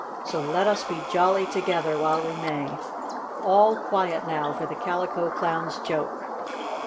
So let us be jolly together while we may. All quiet now, for the Calico Clown's joke!"